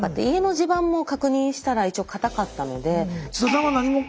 家の地盤も確認したら一応固かったので。